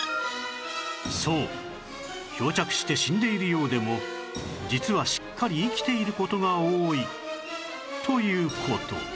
そう漂着して死んでいるようでも実はしっかり生きている事が多いという事